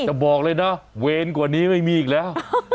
แต่บอกเลยนะเวรกว่านี้ไม่มีอีกแล้ว